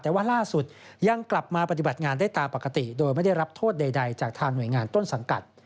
แต่ว่าล่าสุดยังกลับมาปฏิบัติงานได้ตามปกติโดยไม่ได้รับโทษใดจากทางหน่วยงานต้นสังกัด